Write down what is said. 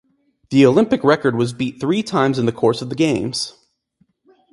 The Olympic record was beat three times in the course of the Games.